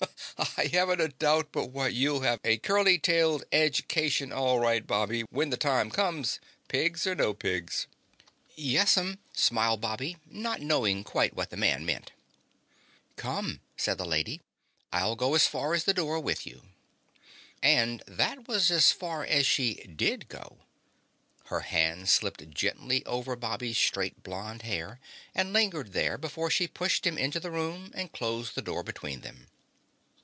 "I haven't a doubt but what you'll have a curly tailed edge cation all right, Bobby, when the time comes, pigs or no pigs." "Yes'm," smiled Bobby not knowing quite what the man meant. "Come," said the lady. "I'll go as far as the door with you." And that was as far as she did go. Her hand slipped gently over Bobby's straight blond hair and lingered there before she pushed him into the room and closed the door between them.